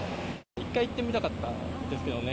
１回行ってみたかったですけどね。